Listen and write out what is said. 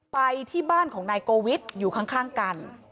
ไปที่บ้านของนายโกวิทอยู่ข้างกัน